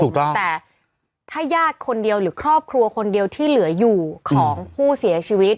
แต่ถ้าญาติคนเดียวหรือครอบครัวคนเดียวที่เหลืออยู่ของผู้เสียชีวิต